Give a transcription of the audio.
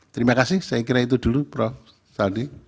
terima kasih saya kira itu dulu prof sandi